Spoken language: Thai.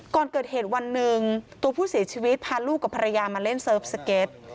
ก่อนเกิดเหตุวันหนึ่งตัวผู้เสียชีวิตพาลูกกับภรรยามาเล่นเซิร์ฟสเก็ต